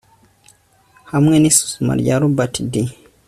hamwe n'isuzuma rya robert d